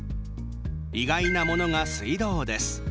意外なものが水道です。